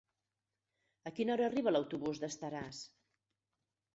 A quina hora arriba l'autobús d'Estaràs?